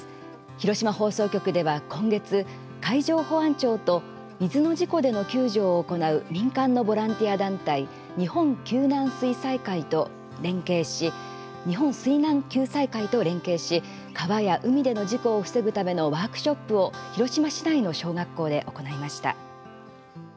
広島放送局では今月海上保安庁と水の事故での救助を行う民間のボランティア団体日本水難救済会と連携し川や海での事故を防ぐためのワークショップを広島市内の小学校で行いました。